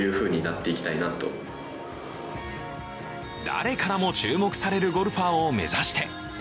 誰からも注目されるゴルファーを目指して。